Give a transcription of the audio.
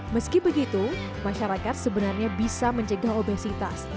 meski begitu masyarakat sebenarnya bisa mencegah obesitas